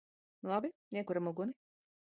Labi. Iekuram uguni!